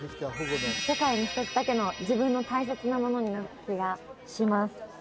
世界に一つだけの自分の大切なものになった気がします